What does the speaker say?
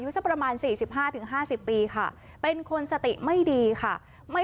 สวัสดีค่ะ